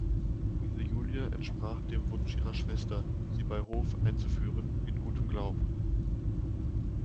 Louise Julie entsprach dem Wunsch ihrer Schwester, sie bei Hof einzuführen, in gutem Glauben.